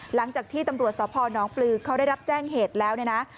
หลังจากที่ตำรวจสพนปลือเขาได้รับแจ้งเหตุแล้วเนี่ยนะ